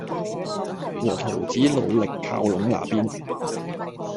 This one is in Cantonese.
和桃子盡力靠攏那邊